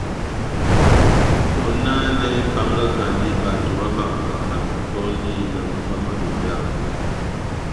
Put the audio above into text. Nɔnanɛ épángakandi bato bábambwakani matɔ́ndi na mabá má bejawɛ.